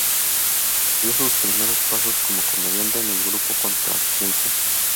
Dio sus primeros pasos como comediante en el grupo Contratiempo.